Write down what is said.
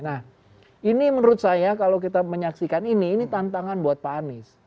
nah ini menurut saya kalau kita menyaksikan ini ini tantangan buat pak anies